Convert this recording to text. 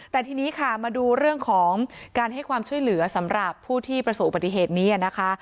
แต่ทีนี้ค่ะมาดูเรื่องของการให้ความช่วยเหลือสำหรับผู้ที่ประสบอุบัติเหตุนี้นะคะ